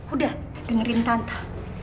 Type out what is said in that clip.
udah dengerin tante